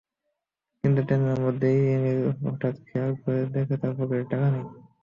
কিন্তু ট্রেনের মধ্যেই এমিল হঠাৎ খেয়াল করে তার পকেটে টাকা নেই।